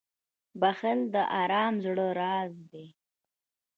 • بښل د ارام زړه راز دی.